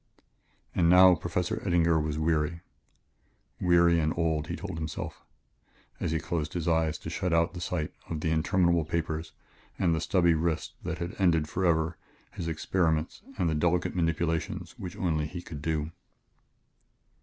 And now Professor Eddinger was weary weary and old, he told himself as he closed his eyes to shut out the sight of the interminable papers and the stubby wrist that had ended forever his experiments and the delicate manipulations which only he could do.